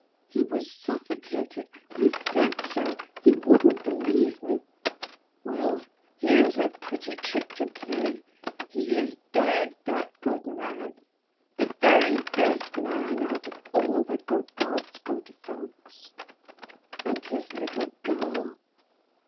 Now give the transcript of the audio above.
He was suffocated, I said so. He wouldn't believe me. Well! Here's a pretty trick to play! He is dead, that good man, the very best man out of all the good God's good folks! And his little girl!